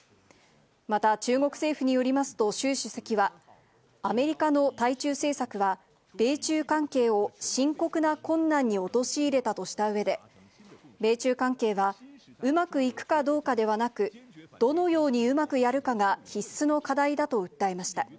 また中国政府によりますと、習主席は、アメリカの対中政策は、米中関係を深刻な困難に陥れたとしたうえで、米中関係はうまくいくかどうかではなく、どのようにうまくやるかが必須の課題だと訴えました。